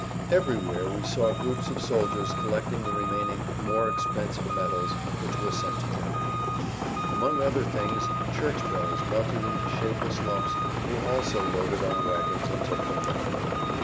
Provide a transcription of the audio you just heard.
Everywhere we saw groups of soldiers collecting the remaining more expensive metals which were sent to Germany. Among other things church bells melted into shapeless lumps were also loaded on wagons and taken away.